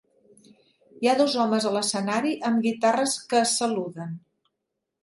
Hi ha dos homes a l'escenari amb guitarres que es saluden.